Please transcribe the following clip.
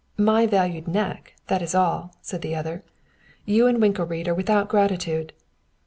My valued neck, that is all!" said the other. "You and Winkelried are without gratitude."